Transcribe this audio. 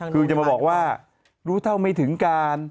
คือจะมาบอกว่ารู้เท่าไม่ถึงการ